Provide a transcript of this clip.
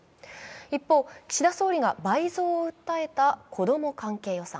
一方、岸田総理が倍増を訴えた子供関係予算。